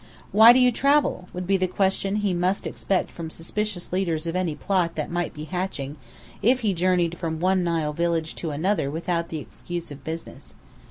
"Why do you travel?" would be the question he must expect from suspicious leaders of any plot that might be hatching, if he journeyed from one Nile village to another without the excuse of business.